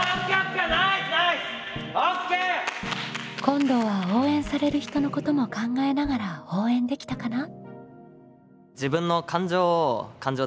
今度は応援される人のことも考えながら応援できたかな？